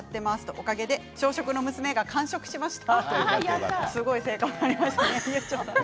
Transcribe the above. おかげで小食の娘が完食しました。